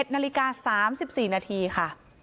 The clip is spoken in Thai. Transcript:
๑นาฬิกา๓๔นาทีค่ะ